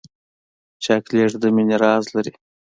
چاکلېټ د مینې راز لري.